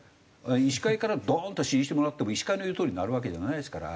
医師会からドーンと支持してもらっても医師会の言うとおりになるわけじゃないですから。